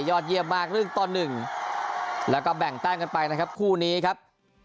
ยอดเยี่ยมมากเรื่องตอน๑แล้วก็แบ่งแต้งกันไปนะครับ